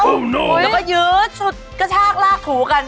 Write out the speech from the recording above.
แล้วก็ยืดชุดกระแชกรากถูกัน